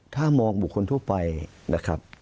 ถ้ามองบุคคลทั่วไปนะครับ